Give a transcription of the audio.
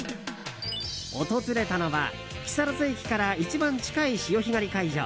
訪れたのは、木更津駅から一番近い潮干狩り会場